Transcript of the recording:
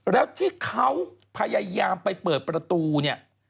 แล้วที่เขาพยายามไปเปิดประตูเนี่ย